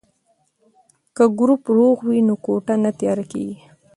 که ګروپ روغ وي نو کوټه نه تیاره کیږي.